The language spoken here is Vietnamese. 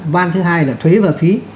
van thứ hai là thuế và phí